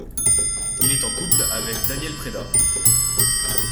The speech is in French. Il est en couple avec Daniel Preda.